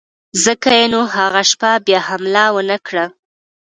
ځکه یې نو هغه شپه بیا حمله ونه کړه.